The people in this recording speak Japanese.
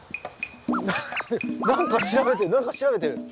な何か調べてる何か調べてる。